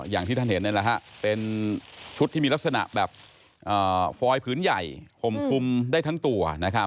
อย่างที่ท่านเห็นเป็นชุดที่มีลักษณะแบบฟอยผืนใหญ่ห่มคุมได้ทั้งตัว